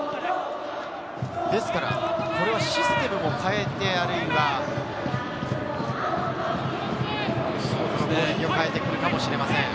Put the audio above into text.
これはシステムも変えて、あるいは攻撃を変えてくるかもしれません。